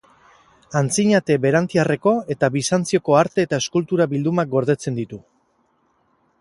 Antzinate berantiarreko eta Bizantzioko arte eta eskultura bildumak gordetzen ditu.